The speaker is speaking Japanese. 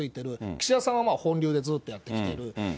岸田さんは本流でずっとやってきてる。